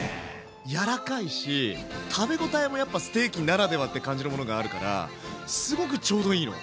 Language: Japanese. やらかいし食べ応えもやっぱステーキならではって感じのものがあるからすごくちょうどいいの。